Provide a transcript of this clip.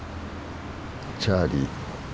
チャーリー